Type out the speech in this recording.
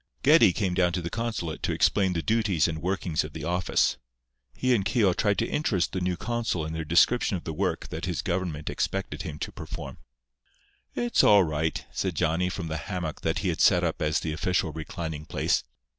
Geddie came down to the consulate to explain the duties and workings of the office. He and Keogh tried to interest the new consul in their description of the work that his government expected him to perform. "It's all right," said Johnny from the hammock that he had set up as the official reclining place.